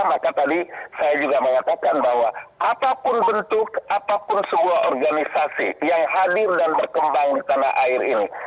maka tadi saya juga mengatakan bahwa apapun bentuk apapun sebuah organisasi yang hadir dan berkembang di tanah air ini